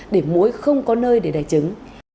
để mũi không có nơi để đầy trứng